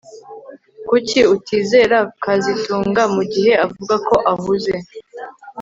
Kuki utizera kazitunga mugihe avuga ko ahuze